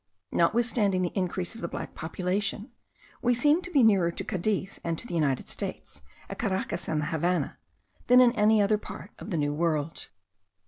Notwithstanding the increase of the black population, we seem to be nearer to Cadiz and the United States, at Caracas and the Havannah, than in any other part of the New World.